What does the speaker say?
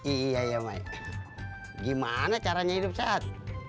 iya iya mai gimana caranya hidup sehat